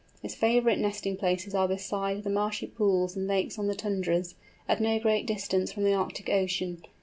Its favourite nesting places are beside the marshy pools and lakes on the tundras, at no great distance from the Arctic Ocean.